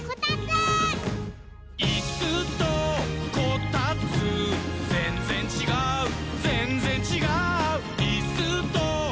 「いっすーとこたっつーぜんぜんちがうぜんぜんちがう」「いっすーとこ